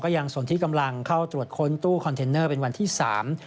ยังสนที่กำลังเข้าตรวจค้นตู้คอนเทนเนอร์เป็นวันที่สาม